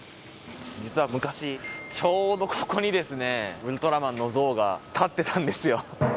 実は昔ちょうどここにですねウルトラマンの像が立ってたんですよ。